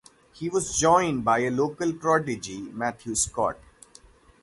He was joined by local prodigy Matthew Scott.